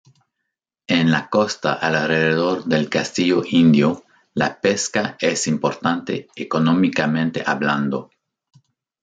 En la costa alrededor del Castillo Indio, la pesca es importante económicamente hablando.